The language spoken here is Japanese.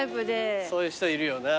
そういう人いるよな。